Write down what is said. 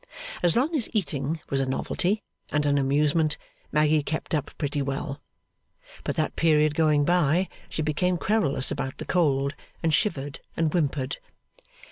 As long as eating was a novelty and an amusement, Maggy kept up pretty well. But that period going by, she became querulous about the cold, and shivered and whimpered.